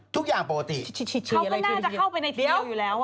ทุกอย่างปกติเดี๋ยวเขาก็น่าจะเข้าไปนาทีเดียวอยู่แล้ว